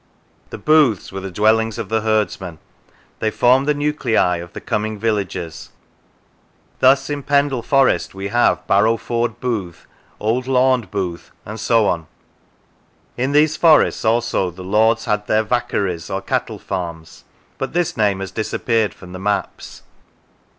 The booths were the dwellings of the herdsmen; they formed the nuclei of the coming villages: thus in Pendle Forest we have Barrow Ford Booth, Old Laund Booth, and so on. In these forests also the lords had their vaccaries, or cattle farms, but this name has dis appeared from the maps.